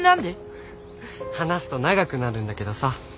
話すと長くなるんだけどさ。